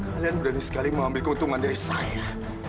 kalian berani sekali mengambil keuntungan dari saya